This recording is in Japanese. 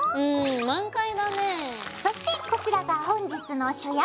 そしてこちらが本日の主役。